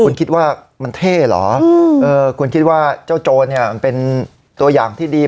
คุณคิดว่ามันเท่เหรอคุณคิดว่าเจ้าโจรเนี่ยมันเป็นตัวอย่างที่ดี